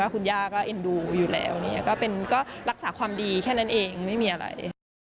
คุณย่าก็เอ็นดูอยู่แล้วก็รักษาความดีแค่นั้นเองไม่มีอะไร